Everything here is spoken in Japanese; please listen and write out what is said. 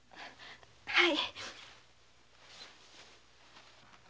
はい。